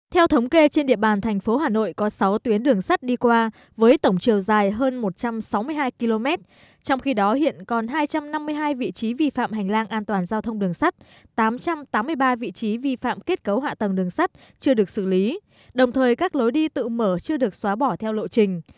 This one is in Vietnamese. theo thống kê trên địa bàn thành phố hà nội có sáu tuyến đường sắt đi qua với tổng chiều dài hơn một trăm sáu mươi hai km trong khi đó hiện còn hai trăm năm mươi hai vị trí vi phạm hành lang an toàn giao thông đường sắt tám trăm tám mươi ba vị trí vi phạm kết cấu hạ tầng đường sắt chưa được xử lý đồng thời các lối đi tự mở chưa được xóa bỏ theo lộ trình